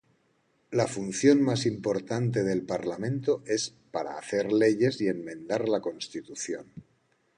La función más importante del parlamento es para hacer leyes y enmendar la Constitución.